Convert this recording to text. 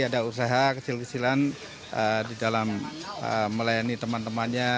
ada usaha kecil kecilan di dalam melayani teman temannya